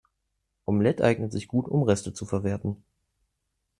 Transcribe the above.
Omelette eignet sich gut, um Reste zu verwerten.